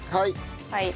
はい。